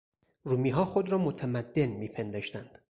رومیها خود را متمدن میپنداشتند.